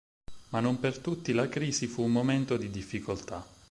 Ma non per tutti la Crisi fu un momento di difficoltà.